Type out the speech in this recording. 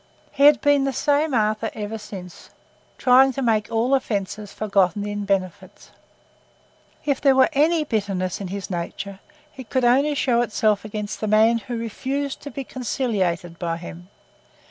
He had been the same Arthur ever since, trying to make all offences forgotten in benefits. If there were any bitterness in his nature, it could only show itself against the man who refused to be conciliated by him.